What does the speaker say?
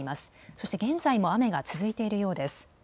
そして現在も雨が続いているようです。